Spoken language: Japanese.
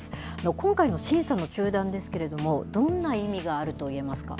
今回の審査の中断ですけれども、どんな意味があるといえますか。